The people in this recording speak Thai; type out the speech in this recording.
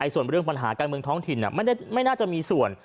ส่วนเรื่องปัญหาการเมืองท้องถิ่นไม่น่าจะมีส่วน